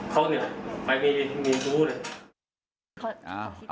เขาเนี่ยไปไม่มีชู้เลย